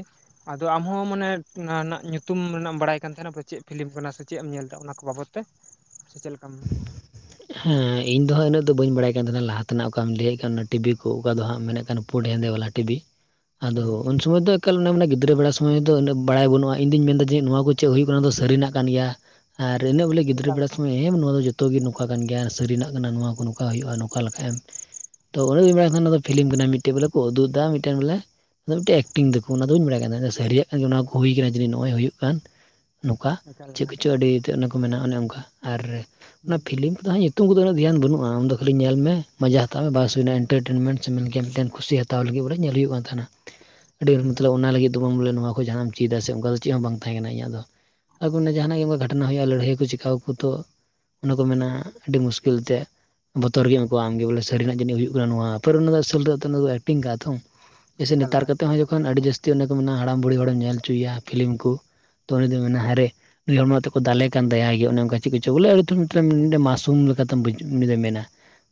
ᱟᱫᱚ ᱟᱢᱦᱚᱸ ᱢᱟᱱᱮ ᱚᱱᱟ ᱨᱮᱱᱟᱜ ᱧᱩᱛᱩᱢ ᱨᱮᱱᱟᱜ ᱮᱢ ᱵᱟᱲᱟᱭ ᱠᱟᱱ ᱛᱟᱦᱮᱸᱱᱟ᱾ ᱪᱮᱜ ᱯᱷᱤᱞᱤᱢ ᱠᱟᱱᱟ ᱥᱮ ᱪᱮᱜ ᱮᱢ ᱧᱮᱞ ᱫᱟ ᱚᱱᱟ ᱠᱚ ᱵᱟᱵᱚᱛ? ᱚᱛᱮ ᱥᱮ ᱪᱮᱜ ᱞᱮᱠᱟᱢ ᱦᱮᱸ ᱤᱧ ᱫᱚ ᱦᱟᱸᱜ ᱤᱱᱟᱹᱜ ᱫᱚ ᱵᱟᱹᱧ ᱵᱟᱲᱟᱭ ᱠᱟᱱ ᱛᱟᱦᱮᱸᱱᱟ, ᱞᱟᱦᱟ ᱛᱮᱱᱟᱜ ᱚᱠᱟᱢ ᱞᱟᱹᱭᱮᱜ ᱠᱟᱱ ᱴᱤᱵᱷᱤ ᱠᱚ ᱚᱠᱟ ᱫᱚ ᱦᱟᱸᱜ ᱢᱮᱱᱮᱜ ᱠᱟᱱ᱾ ᱯᱳᱰ ᱦᱮᱸᱫᱮ ᱵᱟᱞᱟ ᱴᱤᱵᱷᱤ (inaudible) ᱟᱫᱚ ᱩᱱ ᱥᱚᱢᱚᱭ ᱫᱚ ᱮᱠᱟᱞ ᱚᱱᱟᱢ ᱢᱮᱱᱟ ᱜᱤᱫᱽᱨᱟᱹ ᱵᱮᱲᱟ ᱥᱚᱢᱚᱭ ᱫᱚ ᱩᱱᱟᱹᱜ ᱵᱟᱲᱟᱭ ᱵᱟᱹᱱᱩᱜ-ᱟ, ᱤᱧ ᱫᱩᱧ ᱢᱮᱱ ᱫᱟ ᱡᱮ ᱱᱚᱣᱟ ᱠᱚ ᱪᱮᱜ ᱦᱩᱭᱩᱜ ᱠᱟᱱᱟ ᱫᱚ ᱥᱟᱹᱨᱤᱱᱟᱜ ᱠᱟᱱ ᱜᱮᱭᱟ ᱾ ᱟᱨ ᱤᱱᱟᱹᱜ ᱵᱚᱞᱮ ᱜᱤᱫᱽᱨᱟᱹ ᱮᱠᱟᱞ ᱵᱮᱲᱟ ᱥᱚᱢᱚᱭ ᱮᱢ ᱱᱚᱣᱟ ᱫᱚ ᱡᱚᱛᱚ ᱜᱤ ᱱᱚᱝᱠᱟ ᱠᱟᱱ ᱜᱮᱭᱟ ᱥᱟᱹᱨᱤᱱᱟᱜ ᱠᱟᱱᱟ ᱱᱚᱣᱟ ᱠᱚ ᱱᱚᱝᱠᱟ ᱦᱩᱭᱩᱜ-ᱟ, ᱱᱚᱝᱠᱟ ᱞᱮᱠᱷᱟᱡ ᱮᱢ ᱛᱚ ᱩᱱᱟᱹᱜ ᱫᱚ ᱵᱟᱧ ᱵᱟᱲᱟᱭ ᱛᱟᱦᱮᱫ ᱯᱷᱤᱞᱤᱢ ᱠᱟᱱᱟ ᱢᱤᱫᱴᱮᱱ ᱵᱚᱞᱮ ᱠᱚ ᱩᱫᱩᱜ ᱮᱫᱟ ᱢᱤᱫᱴᱮᱱ ᱵᱚᱞᱮ ᱢᱤᱫᱴᱮᱡ ᱮᱠᱴᱤᱝ ᱫᱟᱠᱚ ᱚᱱᱟ ᱫᱚ ᱵᱟᱹᱧ ᱵᱟᱲᱟᱭ ᱠᱟᱱᱛᱟᱸᱦᱮ ᱥᱟᱹᱨᱤᱭᱟᱜ ᱠᱟᱱ ᱚᱱᱟ ᱠᱚ ᱦᱩᱭ ᱟᱠᱟᱱᱟ ᱡᱟᱹᱱᱤᱡ ᱱᱚᱜ- ᱚᱭ ᱦᱩᱭᱩᱜ ᱠᱟᱱ, ᱱᱚᱝᱠᱟ ᱮᱠᱟᱞ ᱮᱠᱟᱞ ᱪᱮᱫ ᱦᱩᱸ ᱠᱚᱪᱚ ᱟᱹᱰᱤᱛᱮᱫ ᱚᱱᱟ ᱠᱚ ᱢᱮᱱᱟ ᱚᱱᱮ ᱚᱱᱠᱟ, ᱟᱨ ᱚᱱᱟ ᱦᱩᱸ ᱯᱷᱤᱞᱤᱢ ᱠᱚᱫᱚ ᱦᱟᱜ ᱧᱩᱛᱩᱢ ᱠᱚᱫᱚ ᱦᱟᱸᱜ ᱫᱷᱮᱭᱟᱱ ᱵᱹᱱᱩᱜᱼᱟ ᱟᱢ ᱠᱷᱟᱹᱞᱤ ᱧᱮᱞ ᱢᱮ ᱢᱟᱡᱟ ᱦᱟᱛᱟᱣ ᱢᱮ ᱵᱟᱥ ᱦᱩᱭ ᱮᱱᱟ ᱮᱱᱴᱮᱱᱴᱢᱮᱱ ᱥᱮ ᱢᱮᱫ ᱠᱮᱫ ᱴᱮᱱ ᱠᱩᱥᱤ ᱦᱟᱛᱟ ᱦᱟᱛᱟᱣ ᱞᱟᱹᱜᱤᱫ ᱵᱚᱞᱮ ᱧᱮᱞ ᱦᱩᱭᱩᱜ ᱠᱟᱱ ᱛᱟᱦᱮᱱᱟ, ᱟᱹᱰᱤ ᱢᱚᱛᱞᱚᱵ ᱚᱱᱟ ᱞᱟᱹᱜᱤᱫ (unintelligible) ᱵᱚᱞᱮ ᱱᱚᱣᱟ ᱠᱚ ᱡᱟᱦᱟᱱᱟᱜ ᱮᱢ ᱪᱮᱫᱟ ᱥᱮ ᱚᱱᱠᱟ ᱫᱚ ᱪᱮᱫ ᱦᱚᱸ ᱵᱟᱝ ᱛᱟᱦᱮᱸ ᱠᱟᱱᱟ ᱤᱧᱟᱹᱜ ᱫᱚ ᱟᱵᱚ ᱡᱟᱦᱟᱱᱟᱜ ᱜᱮ ᱜᱷᱟᱴᱟᱱᱟ ᱦᱩᱭᱩᱜᱼᱟ ᱞᱟᱹᱲᱦᱟᱹᱭ ᱟᱠᱚ ᱪᱮᱠᱟ ᱟᱠᱚ ᱛᱚ ᱚᱱᱟ ᱠᱚ ᱢᱮᱱᱟ ᱟᱹᱰᱤ ᱢᱩᱥᱠᱤᱞ ᱛᱮ ᱵᱚᱛᱚᱨ ᱜᱮᱢ ᱟᱹᱠᱟᱹᱣᱟ ᱟᱢᱜᱮ ᱵᱚᱞᱮ ᱥᱟᱹᱨᱤ ᱱᱟᱜ ᱡᱟᱹᱱᱤᱡ ᱦᱩᱭᱩᱜ ᱠᱟᱱᱟ ᱱᱚᱣᱟ ᱯᱟᱨ ᱚᱱᱟᱫᱚ ᱟᱥᱚᱞ ᱫᱚ ᱮᱱᱛᱮ (unintelligible) ᱴᱤᱝ ᱜᱟ ᱛᱷᱚᱝ ᱡᱮᱥᱮ ᱮᱠᱟᱞ ᱱᱮᱛᱟᱨ ᱮᱠᱟᱞ ᱦᱩᱸ ᱠᱟᱛᱮ ᱦᱚᱸ ᱡᱚᱠᱷᱚᱱ ᱟᱹᱰᱤ ᱡᱟᱹᱥᱛᱤ ᱪᱮᱫ ᱚᱱᱮ ᱠᱚ ᱢᱮᱱᱟ ᱦᱟᱲᱟᱢ ᱵᱩᱲᱦᱤ ᱦᱚᱲᱮᱢ ᱧᱮᱞ ᱦᱚᱪᱚᱭᱮᱭᱟ ᱯᱷᱤᱞᱤᱢ ᱠᱩ, ᱛᱚ ᱩᱱᱤ ᱫᱚᱭ ᱢᱮᱱᱟ ᱦᱟᱭᱨᱮ ᱱᱩᱭ ᱦᱚᱲ ᱢᱟ ᱱᱤᱛᱚᱜ ᱠᱚ ᱫᱟᱞᱮ ᱠᱟᱱ ᱫᱟᱭᱟ ᱜᱮ᱾ ᱚᱱᱮ ᱚᱱᱠᱟ ᱪᱮᱜ ᱠᱚᱪᱚ ᱵᱚᱞᱮ ᱟᱲᱩᱡ ᱛᱷᱟᱹᱲᱩᱡ ᱦᱩᱸ ᱢᱟᱥᱩᱢ ᱞᱮᱠᱟᱛᱮᱢ ᱵᱩᱡ ᱩᱱᱤᱫᱚᱭ ᱢᱮᱱᱟ,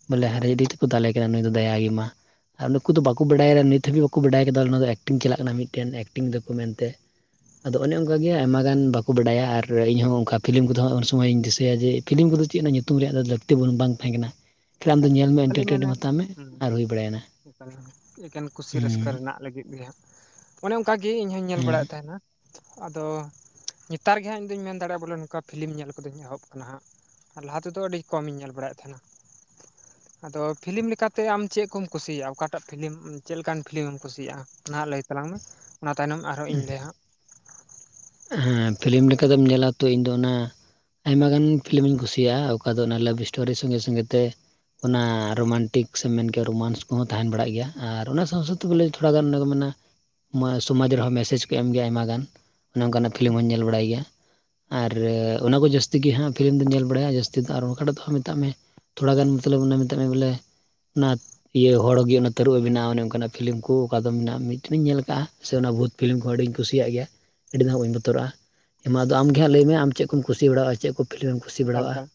ᱵᱚᱞᱮ ᱮᱠᱟᱞ ᱦᱟᱭᱨᱮ ᱮᱠᱟᱞ ᱟᱹᱰᱤ ᱛᱮᱠᱚ ᱫᱟᱞᱮ ᱠᱟᱱᱟ, ᱱᱩᱭ ᱫᱚ ᱫᱟᱭᱟ ᱜᱮ ᱢᱟ ᱟᱨ ᱱᱩᱠᱩ ᱫᱚ ᱵᱟᱠᱚ ᱵᱟᱰᱟᱭᱟ ᱨᱮ ᱱᱤᱛ ᱦᱟᱹᱵᱤᱡ ᱵᱟᱠᱚ ᱵᱟᱰᱟᱭ ᱠᱮᱫᱟ ᱚᱱᱟ ᱫᱚ ᱮᱠᱴᱤᱝ ᱪᱟᱞᱟᱜ ᱠᱟᱱᱟ ᱢᱤᱫᱴᱮᱱ ᱮᱠᱴᱤᱝ ᱫᱟᱠᱩ ᱢᱮᱱᱛᱮ ᱾ ᱟᱫᱚ ᱚᱱᱮ ᱚᱱᱠᱟ ᱜᱮ ᱟᱭᱢᱟ ᱜᱟᱱ ᱵᱟᱠᱚ ᱵᱟᱰᱟᱭᱟ ᱟᱨ ᱤᱧᱦᱚᱸ ᱚᱝᱠᱟ ᱯᱷᱤᱞᱤᱢ ᱠᱚᱫᱚ ᱦᱚᱸ ᱩᱱ ᱥᱚᱢᱚᱭ ᱤᱧ ᱫᱤᱥᱟᱹᱭᱟ ᱡᱮ ᱯᱷᱤᱞᱤᱢ ᱠᱚᱫᱚ ᱪᱮᱫ ᱚᱱᱟ ᱧᱩᱛᱩᱢ ᱨᱮᱭᱟᱜ ᱫᱚ ᱞᱟᱹᱠᱛᱤ ᱵᱚᱱ ᱵᱟᱝ ᱛᱟᱦᱮᱸ ᱠᱟᱱᱟ ᱠᱷᱟᱹᱞᱤ ᱟᱢ ᱫᱚ ᱮᱠᱟᱞ ᱧᱮᱞ ᱮᱠᱟᱞ ᱢᱮ ᱠᱷᱟᱹᱞᱤ ᱢᱮᱱᱟ ᱮᱱᱴᱟᱨᱴᱮᱱᱢ ᱦᱟᱛᱟᱣ ᱢᱮ ᱦᱩᱸ ᱟᱨ ᱦᱩᱭ ᱵᱟᱲᱟᱭᱮᱱᱟ ᱮᱠᱟᱞ ᱠᱩᱥᱤ ᱨᱟᱹᱥᱠᱟᱹ ᱦᱮᱸ ᱨᱮᱱᱟᱜ ᱞᱟᱹᱜᱤᱫ ᱜᱮ ᱦᱟᱸᱜ ᱚᱱᱮ ᱚᱱᱠᱟᱜᱮ ᱤᱧ ᱦᱚᱧ ᱧᱮᱞ ᱦᱮᱸ ᱵᱟᱲᱟᱭᱮᱫ ᱛᱟᱦᱮᱱᱟ ᱟᱫᱚ ᱱᱮᱛᱟᱨ ᱜᱮ ᱦᱟᱸᱜ ᱤᱧᱫᱩᱧ ᱢᱮᱱ ᱫᱟᱲᱮᱜᱼᱟ ᱵᱚᱞᱮ ᱱᱚᱝᱠᱟ ᱯᱷᱤᱞᱤᱢ ᱧᱮᱞ ᱠᱚᱫᱚᱧ ᱮᱦᱚᱵ ᱟᱠᱟᱱᱟ ᱦᱟᱸᱜ ᱟᱨ ᱞᱟᱦᱟ ᱛᱮᱫᱚ ᱟᱹᱰᱤ ᱠᱚᱢ ᱤᱧ ᱧᱮᱞ ᱵᱟᱲᱟᱭᱮᱫ ᱛᱟᱦᱮᱱᱟ ᱟᱫᱚ ᱯᱷᱤᱞᱤᱢ ᱞᱮᱠᱟᱛᱮ ᱟᱢ ᱪᱮᱜ ᱠᱚᱢ ᱠᱩᱥᱤᱭᱟᱜᱼᱟ ᱚᱠᱟᱴᱟᱜ ᱯᱷᱤᱞᱤᱢ, ᱪᱮᱫ ᱞᱮᱠᱟᱱ ᱯᱷᱤᱞᱤᱢ ᱮᱢ ᱠᱩᱥᱤᱭᱟᱜ-ᱟ ᱚᱱᱟ ᱦᱟᱸᱜ ᱞᱟᱹᱭ ᱛᱟᱞᱟᱝ ᱢᱮ ᱚᱱᱟ ᱛᱟᱭᱱᱚᱢ ᱟᱨᱦᱚᱸ ᱤᱧ ᱞᱟᱹᱭᱟ ᱦᱟᱸᱜ ᱦᱮᱸ ᱯᱷᱤᱞᱤᱢ ᱞᱮᱠᱟ ᱞᱮᱠᱟᱫᱚᱢ ᱧᱮᱞᱟ ᱛᱚ ᱤᱧ ᱫᱚ ᱚᱱᱟ ᱟᱭᱢᱟ ᱜᱟᱱ ᱯᱷᱤᱞᱤᱢᱤᱧ ᱠᱩᱥᱤᱭᱟᱜ-ᱟ ᱚᱠᱟ ᱫᱚ ᱚᱱᱟ ᱞᱟᱵᱷ ᱤᱥᱴᱳᱨᱤ ᱥᱚᱸᱜᱮ ᱥᱚᱸᱜᱮ ᱛᱮ ᱚᱱᱟ ᱨᱳᱢᱟᱱᱴᱤᱠ ᱥᱮ ᱢᱮᱱᱠᱮᱭᱟ ᱨᱳᱢᱟᱱᱥ ᱠᱚᱦᱚᱸ ᱛᱟᱦᱮᱸ ᱵᱟᱲᱟᱜ ᱜᱮᱭᱟ ᱟᱨ ᱚᱱᱟ ᱥᱟᱶ ᱥᱟᱶᱛᱮ ᱵᱚᱞᱮ ᱛᱷᱚᱲᱟ ᱜᱟᱱ ᱚᱱᱮ ᱠᱚ ᱢᱮᱱᱟ ᱥᱚᱢᱟᱡᱽ ᱨᱮᱦᱚᱸ ᱢᱮᱥᱮᱡᱽ ᱠᱚ ᱮᱢ ᱜᱮᱭᱟ ᱟᱭᱢᱟ ᱜᱟᱱ ᱚᱱᱮ ᱚᱱᱠᱟᱱᱟᱜ ᱯᱷᱤᱞᱤᱢ ᱦᱚᱧ ᱧᱮᱞ ᱵᱟᱲᱟᱭ ᱜᱮᱭᱟ ᱟᱨ ᱚᱱᱟ ᱠᱚ ᱡᱟᱹᱥᱛᱤ ᱜᱮ ᱦᱟᱸᱜ ᱯᱷᱤᱞᱤᱢ ᱫᱚᱧ ᱧᱮᱞ ᱵᱟᱲᱟᱭᱟ ᱡᱟᱹᱥᱛᱤ ᱫᱚ ᱟᱨ ᱚᱠᱟᱴᱟᱜ ᱫᱚ ᱢᱮᱛᱟᱜ ᱢᱮ ᱛᱷᱚᱲᱟᱜᱟᱱ ᱢᱚᱛᱞᱚᱵ ᱢᱮᱛᱟᱜ ᱢᱮ ᱵᱚᱞᱮ, ᱚᱱᱟ ᱤᱭᱟᱹ ᱦᱚᱲ ᱜᱮ ᱚᱱᱟ ᱛᱟᱹᱨᱩᱵᱽ ᱮ ᱵᱮᱱᱟᱜ-ᱟ ᱚᱱᱮ ᱚᱱᱠᱟᱱᱟᱜ ᱯᱷᱤᱞᱤᱢ ᱠᱩ, ᱚᱠᱟ ᱫᱚ ᱢᱮᱱᱟᱜ-ᱟ ᱢᱤᱫᱴᱮᱱᱤᱧ ᱧᱮᱞ ᱟᱠᱟᱜᱼᱟ ᱥᱮ ᱚᱱᱟ ᱵᱷᱩᱛ ᱯᱷᱤᱞᱤᱢ ᱠᱚᱦᱚ ᱟᱹᱰᱤᱧ ᱠᱩᱥᱤᱭᱟᱜ ᱜᱮᱭᱟ ᱟᱹᱰᱤ ᱫᱚ ᱦᱟᱸᱜ ᱵᱟᱹᱧ ᱵᱚᱛᱚᱨᱟᱜᱼᱟ ᱢᱟ ᱟᱫᱚ ᱟᱢᱜᱮ ᱦᱟᱸᱜ ᱞᱟᱹᱭ ᱢᱮ ᱟᱢ ᱪᱮᱫ ᱠᱚᱢ ᱠᱩᱥᱤ ᱵᱟᱲᱟᱭᱟᱜᱼᱟ ᱪᱮᱫ ᱠᱚᱢ ᱮᱠᱟᱞ ᱮᱠᱟᱞ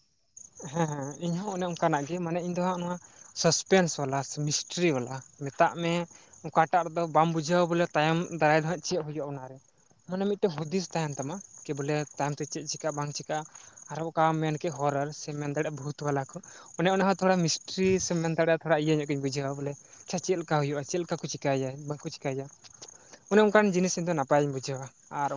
ᱦᱮᱸ ᱦᱮᱸ ᱤᱧ ᱦᱚᱸ ᱚᱱᱮ ᱚᱱᱠᱟᱱᱟᱜ ᱜᱮ ᱢᱟᱱᱮ ᱤᱧ ᱫᱚ ᱦᱟᱸᱜ ᱱᱚᱣᱟ ᱥᱟᱥᱯᱮᱱᱥ ᱵᱟᱞᱟ ᱥᱮ ᱢᱤᱥᱴᱨᱤ ᱵᱟᱞᱟ ᱢᱮᱛᱟᱜ ᱢᱮ ᱚᱠᱟᱴᱟᱜ ᱨᱮᱫᱚ ᱵᱟᱢ ᱵᱩᱡᱷᱟᱹᱣᱟ ᱵᱚᱞᱮ ᱛᱟᱭᱚᱢ ᱫᱟᱨᱟᱭ ᱫᱚ ᱦᱟᱸᱜ ᱪᱮᱫ ᱦᱩᱭᱩᱜ-ᱟ ᱚᱱᱟᱨᱮ, ᱢᱟᱱᱮ ᱢᱤᱫᱴᱮᱱ ᱦᱩᱫᱤᱥ ᱛᱟᱦᱮᱱ ᱛᱟᱢᱟ ᱠᱤ ᱵᱚᱞᱮ ᱛᱟᱭᱚᱢᱛᱮ ᱪᱮᱫ ᱪᱤᱠᱟᱹᱜ-ᱟ ᱵᱟᱝ ᱪᱤᱠᱟᱹᱜ-ᱟ᱾ ᱠᱟ ᱢᱮᱱᱠᱮ ᱦᱚᱨᱚᱨ ᱥᱮ ᱢᱮᱱ ᱫᱟᱲᱮᱭᱟᱜᱼᱟ ᱵᱷᱩᱛ ᱵᱟᱞᱟ ᱠᱚ ᱚᱱᱮ ᱚᱱᱟ ᱦᱚᱸ ᱛᱷᱚᱲᱟ ᱢᱤᱥᱴᱨᱤ ᱥᱮ ᱢᱮᱱ ᱫᱟᱲᱮᱭᱟᱜ ᱛᱷᱚᱲᱟ ᱤᱭᱟᱹ ᱧᱚᱜ ᱜᱤᱧ ᱵᱩᱡᱷᱟᱹᱣᱟ ᱵᱚᱞᱮ ᱟᱪᱪᱷᱟ ᱪᱮᱫ ᱞᱮᱠᱟ ᱦᱩᱭᱩᱜᱼᱟ ᱪᱮᱫ ᱞᱮᱠᱟ ᱠᱚ ᱪᱤᱠᱟᱭ-ᱭᱟ ᱵᱟᱠᱚ ᱪᱤᱠᱟᱭ-ᱭᱟ ᱚᱱᱮ ᱚᱱᱠᱟᱱ ᱡᱤᱱᱤᱥ ᱤᱧ ᱫᱚ ᱱᱟᱯᱟᱭᱤᱧ ᱵᱩᱡᱷᱟᱹᱣᱟ ᱟᱨ